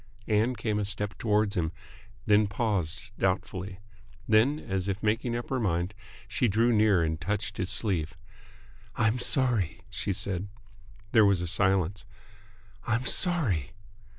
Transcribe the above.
Ann came a step towards him, then paused doubtfully. Then, as if making up her mind, she drew near and touched his sleeve. "I'm sorry," she said. There was a silence. "I'm sorry!"